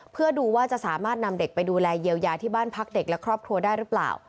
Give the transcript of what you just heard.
เพื่อดูว่าจะสามารถนำเด็กไปดูแลเยียวยาที่บ้านพักเด็กและครอบครัวได้หรือเปล่า